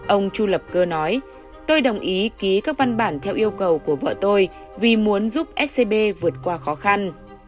ông chu lập cơ nói tôi đồng ý ký các văn bản theo yêu cầu của vợ tôi vì muốn giúp scb vượt qua khó khăn